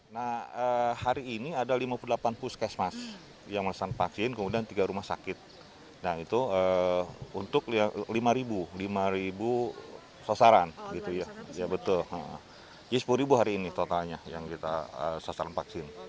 nah hari ini ada lima puluh delapan puskesmas yang melaksanakan vaksin kemudian tiga rumah sakit nah itu untuk lima ribu lima sasaran gitu ya betul jadi sepuluh hari ini totalnya yang kita sasaran vaksin